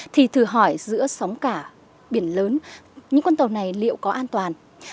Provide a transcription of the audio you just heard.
thì thử hỏi giữa sóng cả biển lớn những con tàu này liệu có an toàn